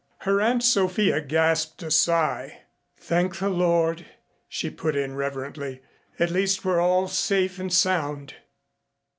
Her Aunt Sophia gasped a sigh. "Thank the Lord," she put in reverently. "At least we're all safe and sound."